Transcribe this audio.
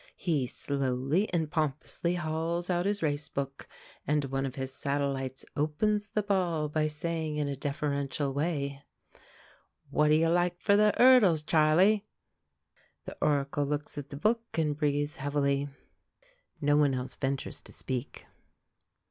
He slowly and pompously hauls out his race book, and one of his satellites opens the ball by saying, in a deferential way: "What do you like for the 'urdles, Charley?" The Oracle looks at the book and breathes heavily; no one else ventures to speak.